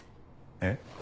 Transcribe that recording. えっ？